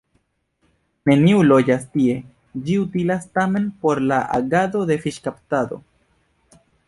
Neniu loĝas tie, ĝi utilas tamen por la agado de fiŝkaptado.